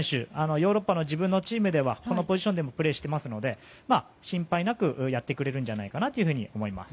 ヨーロッパの自分のチームではこのポジションでもプレーしていますので心配なくやってくれるんじゃないかなと思います。